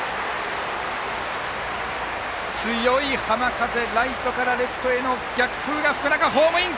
強い浜風、ライトからレフトへの逆風が吹く中ホームイン！